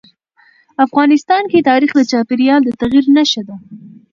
افغانستان کې تاریخ د چاپېریال د تغیر نښه ده.